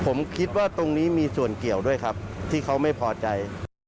ผมคิดว่าตรงนี้มีส่วนเกี่ยวด้วยครับที่เขาไม่พอใจ